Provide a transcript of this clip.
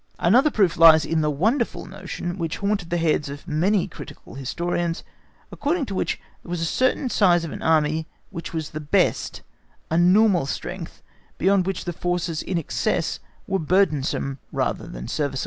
Another proof lies in a wonderful notion which haunted the heads of many critical historians, according to which there was a certain size of an Army which was the best, a normal strength, beyond which the forces in excess were burdensome rather than serviceable.